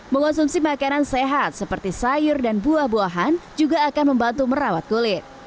mengonsumsi makanan sehat seperti sayur dan buah buahan juga akan membantu merawat kulit